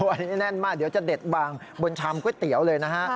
อันนี้แน่นมากเดี๋ยวจะเด็ดบางบนชามก๋วยเตี๋ยวเลยนะฮะ